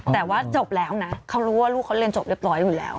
แต่ว่าจบแล้วนะเขารู้ว่าลูกเขาเรียนจบเรียบร้อยอยู่แล้ว